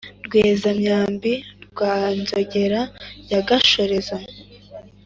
rweza-myambi rwa nzogera ya gashorezo